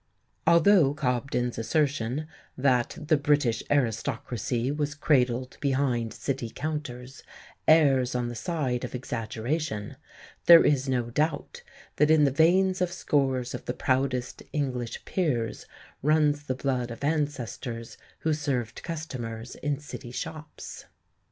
Although Cobden's assertion that "the British aristocracy was cradled behind city counters" errs on the side of exaggeration, there is no doubt that in the veins of scores of the proudest English peers runs the blood of ancestors who served customers in City shops.